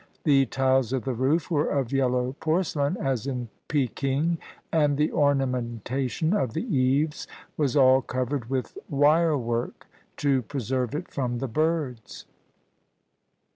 The tiles of the roof were of yellow porcelain, as in Peking, and the ornamentation of the eaves was all covered with wire work, to preserve it from the birds.